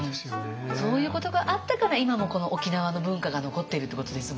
そういうことがあったから今もこの沖縄の文化が残っているってことですもんね